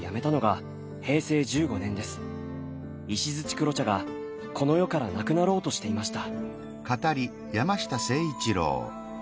石黒茶がこの世からなくなろうとしていました。